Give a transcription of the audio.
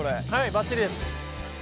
ばっちりです。